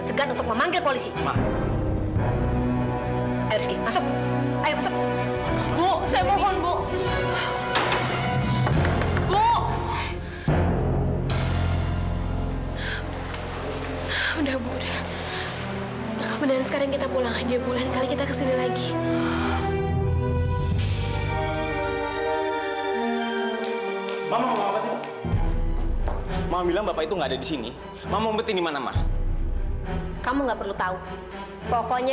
sampai jumpa di video selanjutnya